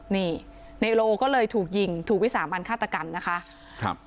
นี่นายโลก็เลยถูกยิงถูกวิสามันฆาตกรรมนะคะครับ